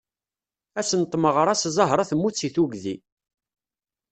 Ass n tmaɣra-s Zahra temmut seg tugdi.